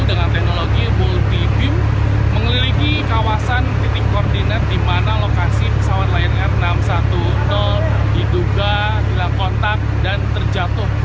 dengan teknologi multi beam mengelilingi kawasan titik koordinat di mana lokasi pesawat lion air enam ratus sepuluh diduga hilang kontak dan terjatuh